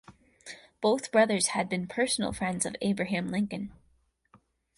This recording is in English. Both brothers had been personal friends of Abraham Lincoln.